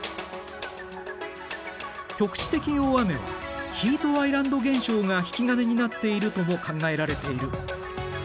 局地的大雨はヒートアイランド現象が引き金になっているとも考えられている。